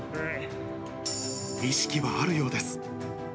意識はあるようです。